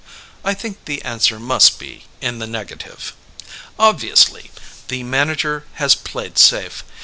I think the answer must be in the negative. Obviously the manager has played safe.